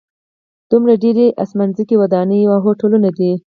دومره ډېرې اسمانڅکي ودانۍ او هوټلونه دي.